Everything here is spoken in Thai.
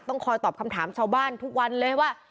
คอยตอบคำถามชาวบ้านทุกวันเลยว่า